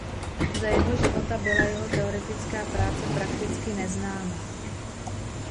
Za jeho života byla jeho teoretická práce prakticky neznámá.